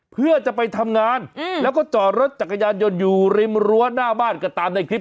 เพื่อจะไปทำงานแล้วก็จอดรถจักรยานยนต์อยู่ริมรั้วหน้าบ้านก็ตามในคลิป